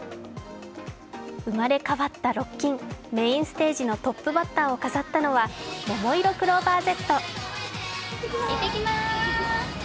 生まれ変わったロッキンメインステージのトップバッターを飾ったのはももいろクローバーＺ。